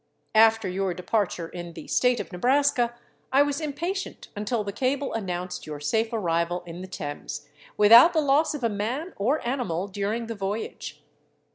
After your departure in the State of Nebraska I was impatient until the cable announced your safe arrival in the Thames, without the loss of a man or animal during the voyage.